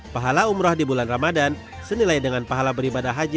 pahala umroh di bulan ramadan senilai dengan pahala beribadah haji